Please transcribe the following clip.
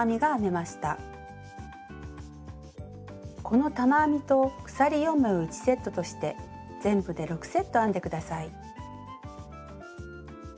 この玉編みと鎖４目を１セットとして全部で６セット編んで下さい。